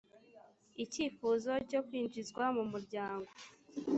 icyifuzo cyo kwinjizwa mu muryango